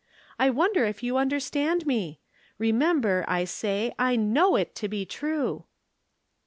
I wonder if j'ou understand me ? Remember, I say, I know it to be true."